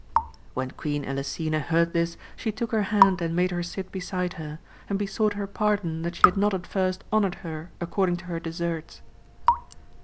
When Queen Elisena heard this, she took her hand and made her sit beside her, and besought her pardon that she had not at first honoured her according to her deserts.